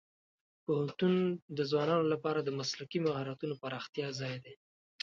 پوهنتون د ځوانانو لپاره د مسلکي مهارتونو پراختیا ځای دی.